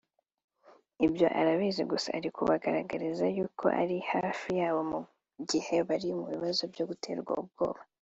Ibyo arabizi gusa ari kubagaragariza y’uko ari hafi yabo mu gihe bari mu bibazo byo guterwa ubwoba